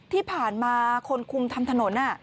ที่ผ่านมาคนคุมทำถนน